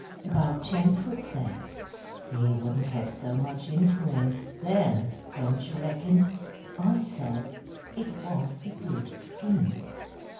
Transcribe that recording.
about ten foot, say. He wouldn't have so much influence, then, don't you reckon?" I said it was a good scheme.